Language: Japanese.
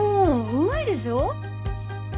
うまいでしょ？